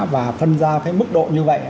và phân ra cái mức độ như vậy